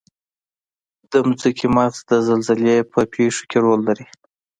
د ځمکې مغز د زلزلې په پیښو کې رول لري.